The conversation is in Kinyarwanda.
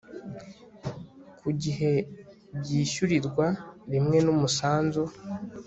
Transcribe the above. ku gihe byishyurirwa rimwe n umusanzu